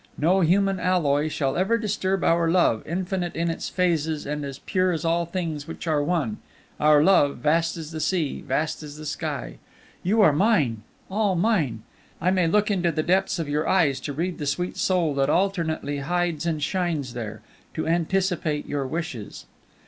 No human alloy shall ever disturb our love, infinite in its phases and as pure as all things are which are One our love, vast as the sea, vast as the sky! You are mine! all mine! I may look into the depths of your eyes to read the sweet soul that alternately hides and shines there, to anticipate your wishes.